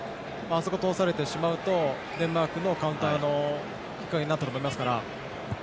あそこを通されてしまうとデンマークのカウンターのきっかけになったと思いますから。